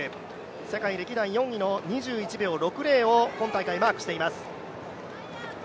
世界歴代４位の２１秒６０を今大会マークしています。